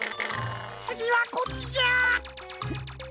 つぎはこっちじゃ。